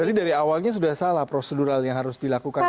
jadi dari awalnya sudah salah prosedural yang harus dilakukan oleh